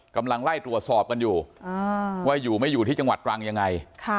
กำลังไล่ตรวจสอบกันอยู่ว่าอยู่ไม่อยู่ที่จังหวัดตรังยังไง